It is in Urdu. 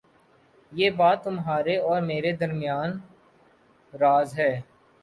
یہ بات تمہارے اور میرے درمیان راز ہے